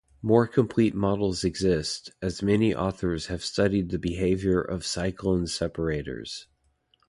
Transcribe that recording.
More complete models exist, as many authors have studied the behaviour of cyclone separators.